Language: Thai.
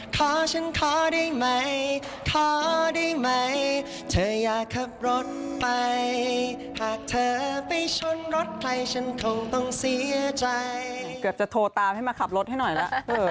เกือบจะโทรตามให้มาขับรถให้หน่อยละ